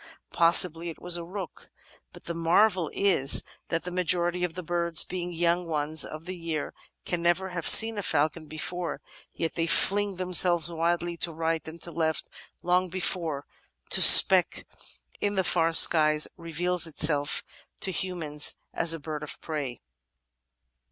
Possibly it was a rook. But the marvel is that the majority of the birds, being yoimg ones of the year, can never have seen a falcon before ; yet they fling themselves wildly to right and to left long before the speck in the far skies reveals itself to human eyes as a bird of prey."